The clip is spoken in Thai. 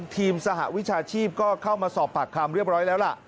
สหวิชาชีพก็เข้ามาสอบปากคำเรียบร้อยแล้วล่ะ